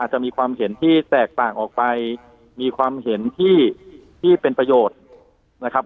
จะมีความเห็นที่แตกต่างออกไปมีความเห็นที่เป็นประโยชน์นะครับ